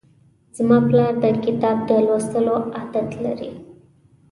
زما پلار د کتاب د لوستلو عادت لري.